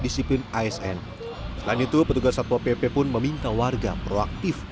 selain itu petugas satpol pp pun meminta warga proaktif